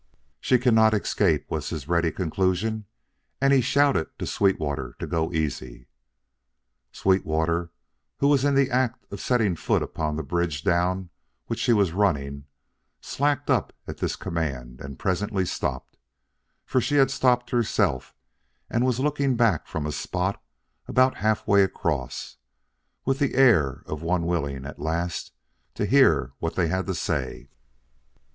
"She cannot escape," was his ready conclusion; and he shouted to Sweetwater to go easy. Sweetwater, who was in the act of setting foot upon the bridge down which she was running, slacked up at this command and presently stopped, for she had stopped herself and was looking back from a spot about halfway across, with the air of one willing, at last, to hear what they had to say.